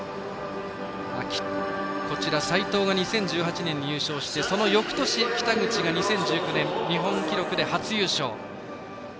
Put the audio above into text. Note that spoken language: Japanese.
斉藤は２０１８年に優勝してその翌年、北口が２０１９年日本記録で初優勝。